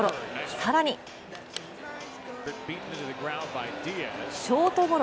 更にショートゴロ。